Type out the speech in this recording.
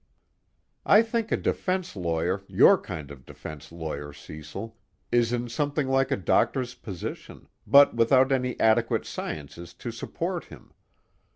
"I think a defense lawyer your kind of defense lawyer, Cecil is in something like a doctor's position, but without any adequate sciences to support him.